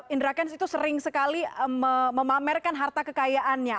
indra kents itu sering sekali memamerkan harta kekayaannya